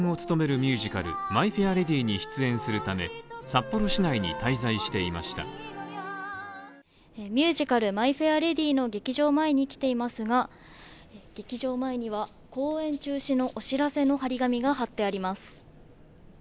ミュージカル「マイ・フェア・レディ」の劇場前に来ていますが、劇場前には、公演中止のお知らせの貼り紙が貼ってあります。